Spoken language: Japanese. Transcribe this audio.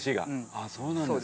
ああそうなんですか。